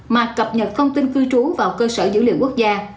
mà cập nhật thông tin cư trú vào cơ sở dữ liệu quốc gia